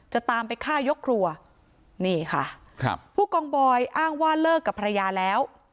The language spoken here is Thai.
จะตามไปฆ่ายกครัวนี่ค่ะครับผู้กองบอยอ้างว่าเลิกกับภรรยาแล้ว